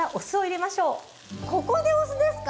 ここでお酢ですか？